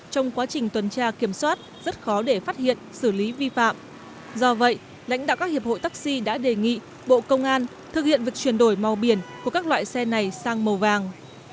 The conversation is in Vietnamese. trong quá trình tuần tra kiểm soát rất khó để phát hiện xử lý vi phạm do vậy lãnh đạo các hiệp hội taxi đã đề nghị bộ công an thực hiện việc chuyển đổi màu biển của các loại xe này sang màu vàng